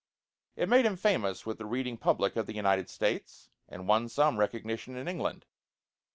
It made him famous with the reading public of the United States, and won some recognition in England.